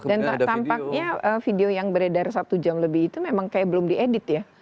dan tampaknya video yang beredar satu jam lebih itu memang kayak belum diedit ya